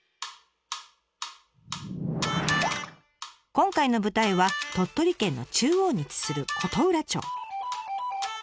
今回の舞台は鳥取県の中央に位置する琴浦町。